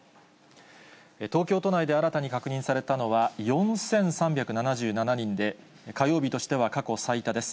東京都内で新たに確認されたのは４３７７人で、火曜日としては過去最多です。